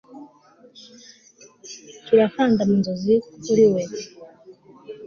Turakanda mu nzozi kuri we